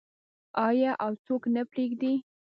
آیا او څوک نه پریږدي؟